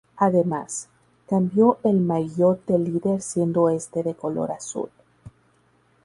Además, cambió el maillot de líder siendo este de color azul.